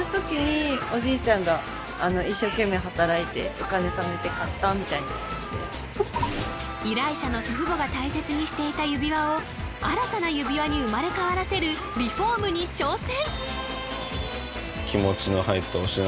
今回はそんな買ったみたいな感じで依頼者の祖父母が大切にしていた指輪を新たな指輪に生まれ変わらせるリフォームに挑戦！